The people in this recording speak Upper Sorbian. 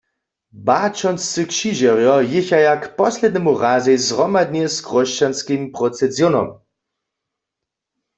Baćonscy křižerjo jěchaja k poslednemu razej zhromadnje z Chróšćanskim procesijónom.